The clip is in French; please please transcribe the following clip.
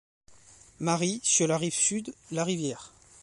Marie, sur la rive sud la rivière.